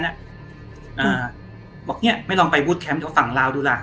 บอกเนี่ยไม่ลองไปบูธแคมป์แถวฝั่งลาวดูล่ะ